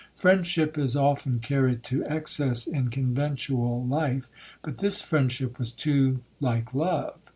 Friendship is often carried to excess in conventual life, but this friendship was too like love.